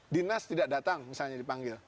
dinas tidak datang misalnya dipanggil